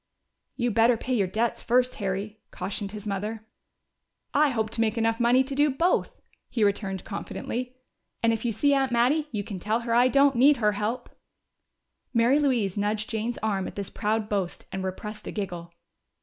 "You better pay your debts first, Harry," cautioned his mother. "I hope to make enough money to do both," he returned confidently. "And if you see Aunt Mattie, you can tell her I don't need her help!" Mary Louise nudged Jane's arm at this proud boast and repressed a giggle.